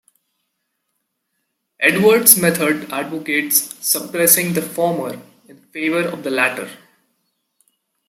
Edwards' method advocates suppressing the former in favor of the latter.